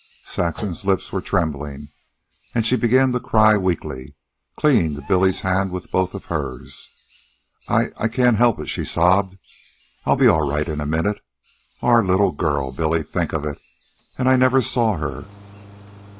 Saxon's lips were trembling, and she began to cry weakly, clinging to Billy's hand with both of hers. "I I can't help it," she sobbed. "I'll be all right in a minute.... Our little girl, Billy. Think of it! And I never saw her!"